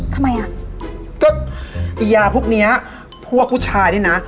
ทำไมอ่ะก็ไอ้ยาพวกเนี้ยพวกผู้ชายนี่นะ